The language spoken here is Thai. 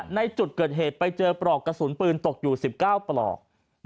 ในจุดเกิดเหตุไปเจอปลอกกระสุนปืนตกอยู่๑๙ปลอก